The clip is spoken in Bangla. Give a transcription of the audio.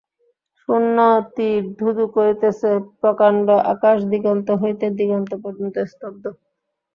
শূন্য তীর ধুধু করিতেছে, প্রকাণ্ড আকাশ দিগন্ত হইতে দিগন্ত পর্যন্ত স্তব্ধ।